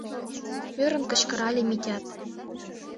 — ӧрын кычкырале Митят.